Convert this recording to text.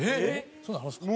そんなのあるんですか？